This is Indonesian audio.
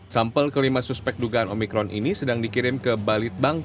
sample kelima suspek dugaan omicron ini sedang dikirim ke bali